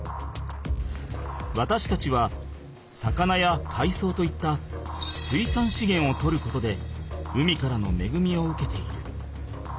わたしたちは魚やかいそうといった水産資源をとることで海からのめぐみを受けている。